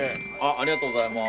ありがとうございます。